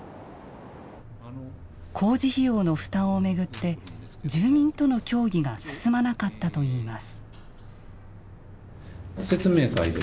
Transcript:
工事費用の負担を巡って住民との協議が進まなかったといいます。